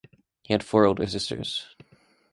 He had four older sisters.